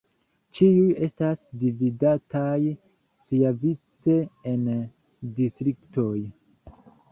Ĉiuj estas dividataj siavice en distriktoj.